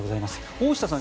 大下さん